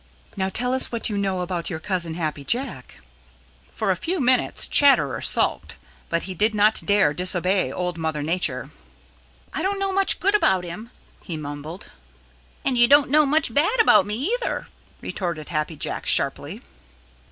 Now tell us what you know about your cousin, Happy Jack." For a few minutes Chatterer sulked, but he did not dare disobey Old Mother Nature. "I don't know much good about him," he mumbled. "And you don't know much bad about me either," retorted Happy Jack sharply.